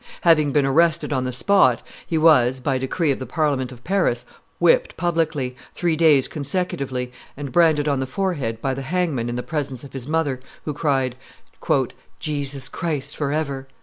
Having been arrested on the spot, he was, by decree of the Parliament of Paris, whipped publicly, three days consecutively, and branded on the forehead by the hangman in the presence of his mother, who cried, "Jesus Christ forever!"